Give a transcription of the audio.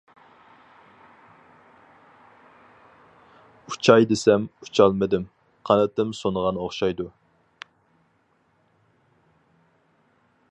ئۇچاي دېسەم ئۇچالمىدىم، قانىتىم سۇنغان ئوخشايدۇ.